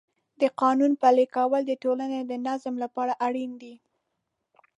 د قانون پلي کول د ټولنې د نظم لپاره اړین دی.